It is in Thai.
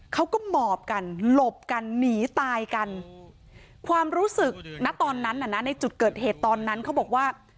หมอบกันหลบกันหนีตายกันความรู้สึกณตอนนั้นน่ะนะในจุดเกิดเหตุตอนนั้นเขาบอกว่า